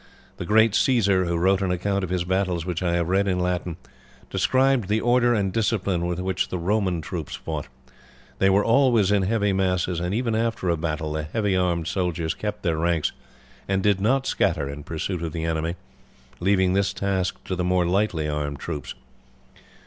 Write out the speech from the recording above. The great Caesar, who wrote an account of his battles which I have read in Latin, described the order and discipline with which the Roman troops fought. They were always in heavy masses, and even after a battle the heavy armed soldiers kept their ranks and did not scatter in pursuit of the enemy, leaving this task to the more lightly armed troops.